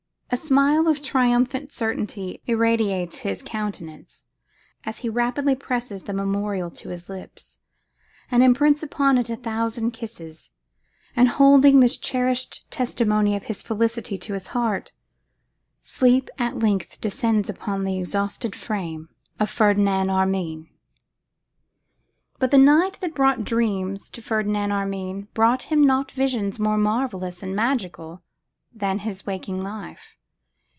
A smile of triumphant certainty irradiates his countenance, as he rapidly presses the memorial to his lips, and imprints upon it a thousand kisses: and holding this cherished testimony of his felicity to his heart, sleep at length descended upon the exhausted frame of Ferdinand Armine. But the night that brought dreams to Ferdinand Armine brought him not visions more marvellous and magical than his waking life.